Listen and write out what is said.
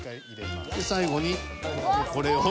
最後にこれを。